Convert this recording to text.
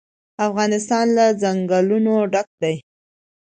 افغانستان له ځنګلونه ډک دی.